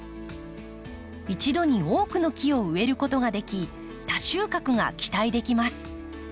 一度に多くの木を植えることができ多収穫が期待できます。